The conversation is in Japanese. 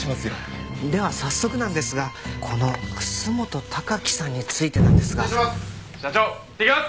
では早速なんですがこの楠本貴喜さんについてなんですが。失礼します。